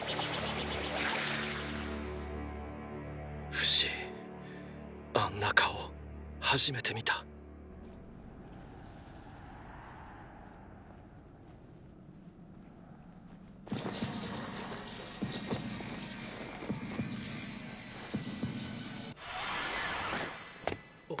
フシあんな顔初めて見たっ！